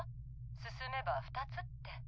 進めば２つって。